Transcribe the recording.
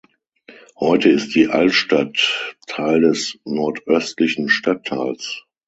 Heute ist die "Altstadt" Teil des Nordöstlichen Stadtteils.